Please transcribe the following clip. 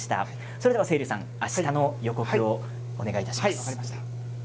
それでは清流さんあしたの予告をお願いします。